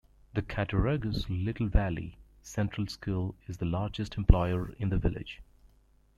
The Cattaraugus-Little Valley Central School is the largest employer in the village.